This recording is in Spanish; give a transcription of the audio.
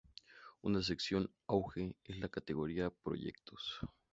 Una sección en auge es la Categoría:Proyectos.